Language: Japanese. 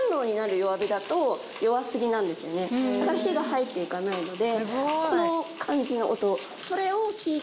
だから火が入って行かないのでこの感じの音。